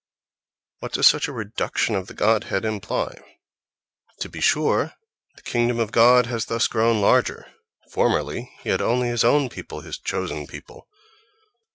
what does such a reduction of the godhead imply?—To be sure, the "kingdom of God" has thus grown larger. Formerly he had only his own people, his "chosen" people.